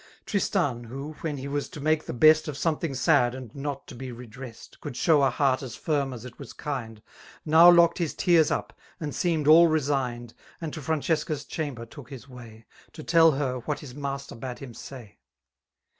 101 Tristany ;D«lio, wheiir he woa to mak6 the hM Of iometUHgf sttd and not to be repressed. Could shew a heart as firm as it was kind> Now lodged his tears up, and seemed ait rettgn^. And to Francesca*s chamber todc his yrisy. To tell her what his master bade him say.